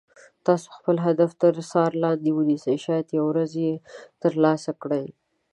تاسو خپل هدف تر څار لاندې ونیسئ شاید یوه ورځ یې تر لاسه کړئ.